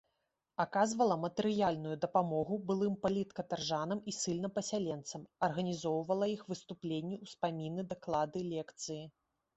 Аказвала матэрыяльную дапамогу былым паліткатаржанам і ссыльнапасяленцам, арганізоўвала іх выступленні, успаміны, даклады, лекцыі.